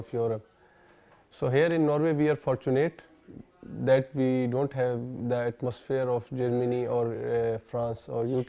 di norwega kami beruntung bahwa kami tidak memiliki atmosfer yang berbeda di jerman france dan uk